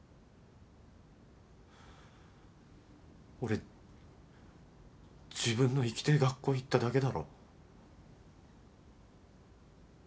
俺自分の行きてえ学校行っただけだろ。